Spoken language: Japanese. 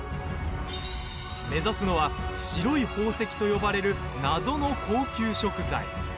目指すのは白い宝石と呼ばれる謎の高級食材。